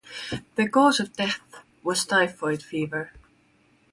The cause of death was typhoid fever.